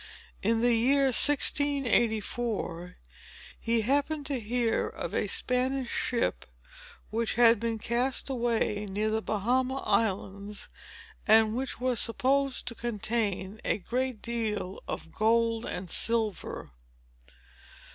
In the year 1684, he happened to hear of a Spanish ship, which had been cast away near the Bahama Islands, and which was supposed to contain a great deal of gold and silver.